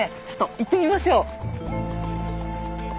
ちょっと行ってみましょう。